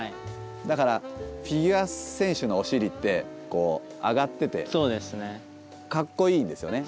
だからフィギュア選手のお尻ってこう上がっててかっこいいんですよね。